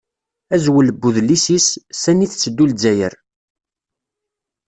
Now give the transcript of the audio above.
Azwel n udlis-is: Sani i tetteddu Zzayer?